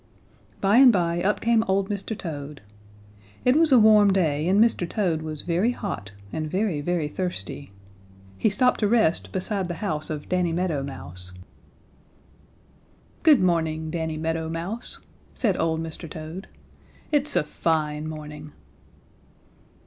By and by up came old Mr. Toad. It was a warm day and Mr. Toad was very hot and very, very thirsty. He stopped to rest beside the house of Danny Meadow Mouse. "Good morning, Danny Meadow Mouse," said old Mr. Toad, "it's a fine morning."